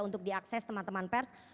untuk diakses teman teman pers